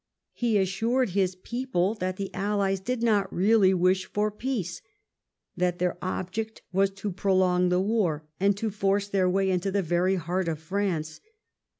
He assured his people that the allies did not really wish for peace, that their object was to prolong the war and to force their way into the very heart of France.